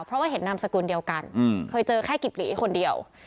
เพราะว่าเห็นนามสกุลเดียวกันเคยเจอแค่กิบหลีคนเดียว